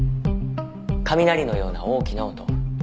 雷のような大きな音。